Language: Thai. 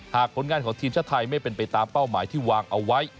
ผลงานของทีมชาติไทยไม่เป็นไปตามเป้าหมายที่วางเอาไว้